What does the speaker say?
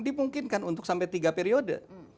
dimungkinkan untuk sampai tiga periode